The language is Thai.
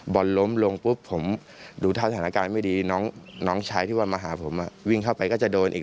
ล้มลงปุ๊บผมดูท่าสถานการณ์ไม่ดีน้องชายที่ว่ามาหาผมวิ่งเข้าไปก็จะโดนอีก